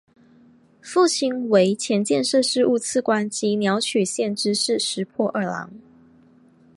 父亲为前建设事务次官及鸟取县知事石破二朗。